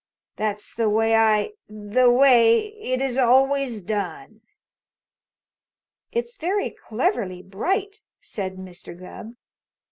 That's the way I the way it is always done." "It's very cleverly bright," said Mr. Gubb.